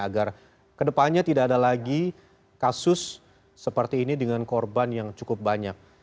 agar kedepannya tidak ada lagi kasus seperti ini dengan korban yang cukup banyak